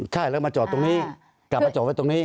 ใช่แล้วมาจอดตรงนี้กลับมาจอดไว้ตรงนี้